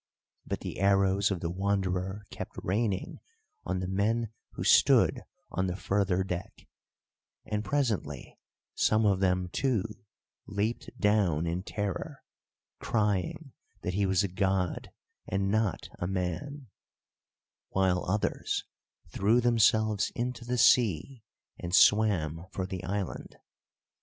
But the arrows of the Wanderer kept raining on the men who stood on the further deck, and presently some of them, too, leaped down in terror, crying that he was a god and not a man, while others threw themselves into the sea, and swam for the island.